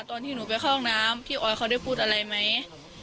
ตอนที่หนูไปเข้าห้องน้ำพี่ออยเขาได้พูดอะไรไหม